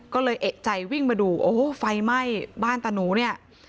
ก็เลยเอกใจวิ่งมาดูโอ้โหไฟไหม้บ้านตาหนูเนี่ย